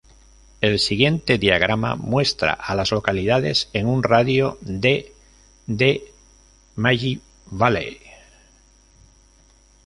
El siguiente diagrama muestra a las localidades en un radio de de Maggie Valley.